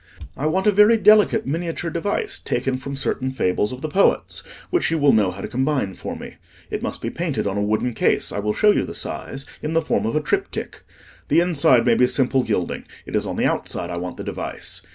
"I want a very delicate miniature device taken from certain fables of the poets, which you will know how to combine for me. It must be painted on a wooden case—I will show you the size—in the form of a triptych. The inside may be simple gilding: it is on the outside I want the device.